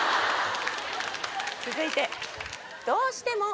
続いて。